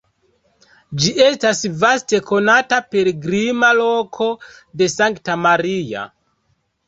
Ĝi estas vaste konata pilgrima loko de Sankta Maria.